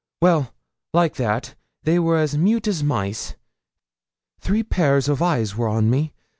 Well, like that, they were as mute as mice; three pairs of eyes were on me.